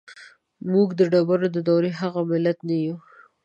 موږ د ډبرې د دورې هغه ملت نه يو.